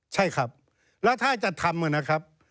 ใช่ครับแล้วถ้าจะทำนะครับ